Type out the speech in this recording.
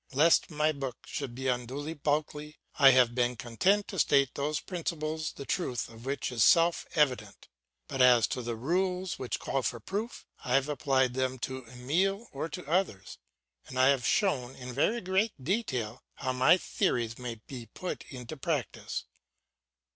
Lest my book should be unduly bulky, I have been content to state those principles the truth of which is self evident. But as to the rules which call for proof, I have applied them to Emile or to others, and I have shown, in very great detail, how my theories may be put into practice.